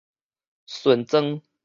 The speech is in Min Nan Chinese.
巡庄